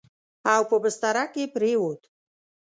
او په بستره کې پرېووت.